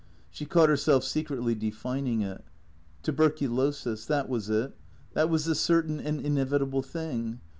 She caught herself secretly defining it. Tuberculosis — that was it ; that was the certain and inevitable thing.